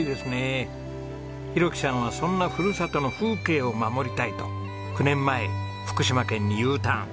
浩樹さんはそんなふるさとの風景を守りたいと９年前福島県にＵターン。